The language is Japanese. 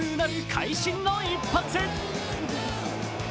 会心の一発。